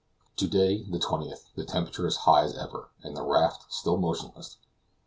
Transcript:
To day, the 20th, the temperature is as high as ever, and the raft still motionless.